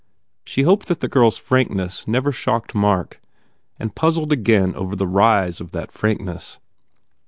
She hoped that the girl s frank ness never shocked Mark and puzzled again over the rise of that frankness.